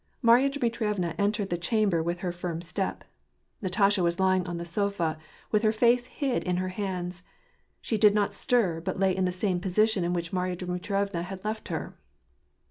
Marya Dmitrievna entered the chamber with a firm step. Natasha was lying on the sofa, with her face hid in her hands ; she did not stir, but lay in the same position in which Maiya Dmitrievna had left her.